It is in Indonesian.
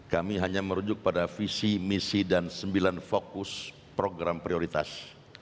kami hanya merujuk pada visi misi dan sembilan fokus program prioritas